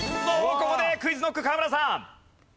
ここでＱｕｉｚＫｎｏｃｋ河村さん。